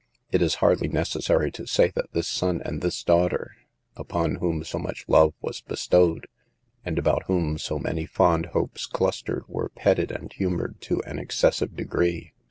It is hardly necessary to say that this sou and this daughter, upon whom so much love was bestowed, and about whom so many fond A PAGE FROM REAL LIFE. 11 hopes clustered, were petted and humored to an excessive degree.